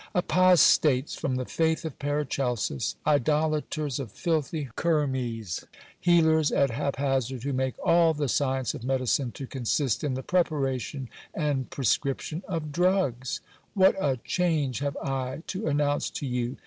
Apostates from the faith of Paracelsus, idolaters of filthy kermes, healers at hap hazard, who make all the science of medicine to consist in the preparation and prescription of drugs. What a change have I to announce to you